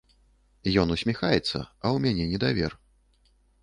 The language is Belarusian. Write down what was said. Ён усміхаецца, а ў мяне недавер.